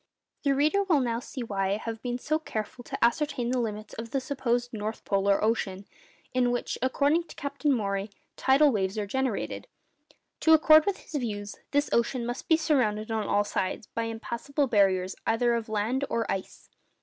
The reader will now see why I have been so careful to ascertain the limits of the supposed north polar ocean, in which, according to Captain Maury, tidal waves are generated. To accord with his views, this ocean must be surrounded on all sides by impassable barriers either of land or ice.